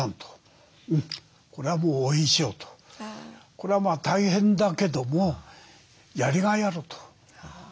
これは大変だけどもやりがいあると。